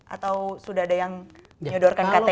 atau sudah ada yang menyodorkan ktp